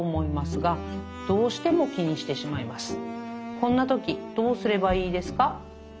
こんな時、どうすればいいですか」。